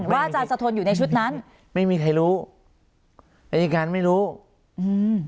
อาจารย์สะทนอยู่ในชุดนั้นไม่มีใครรู้อายการไม่รู้อืม